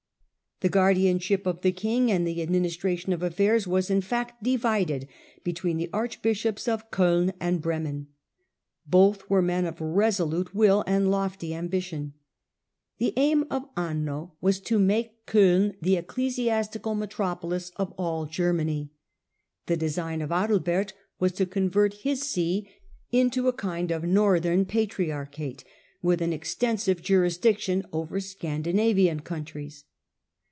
The guardianship of the king and the administration of affairs was, in fact, divided between the archbishopb of C5ln and Bremen. Both were men of resolute will and lofty ambition. The aim of Anno was to make Digitized by VjOOQIC The Minority of Henry IV. 65 Coin the ecclesiastical metropolis of all Germany ; the design of Adalbert was to convert his see into a kind Archbishops of northem patriarchate, with an extensive Adalbert jurisdiction ovcr Scandinavian countries.